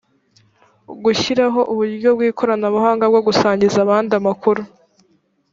gushyiraho uburyo bw ikoranabuhanga bwo gusangiza abandi amakuru